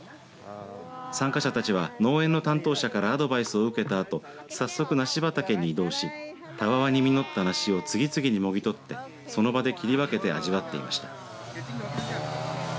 参加者たちは農園の担当者からアドバイスを受けたあと早速、梨畑に移動したわわに実った梨を次々にもぎ取って、その場で切り分けて味わっていました。